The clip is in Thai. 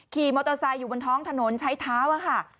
ขี่มอเตอร์ไซค์อยู่บนท้องถนนใช้เท้าค่ะ